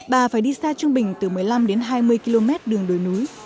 bà phải đi xa trung bình từ một mươi năm đến hai mươi km đường đồi núi